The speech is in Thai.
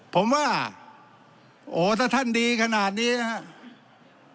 ผมว่าโอ้ถ้าท่านดีขนาดนี้นะครับ